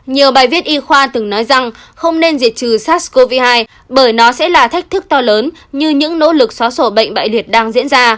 nhiều bài viết y khoa từng nói rằng không nên diệt trừ sars cov hai bởi nó sẽ là thách thức to lớn như những nỗ lực xóa sổ bệnh bại liệt đang diễn ra